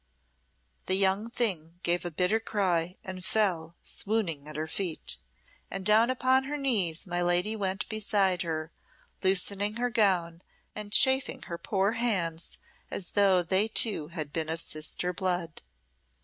The young thing gave a bitter cry and fell swooning at her feet; and down upon her knees my lady went beside her, loosening her gown, and chafing her poor hands as though they two had been of sister blood.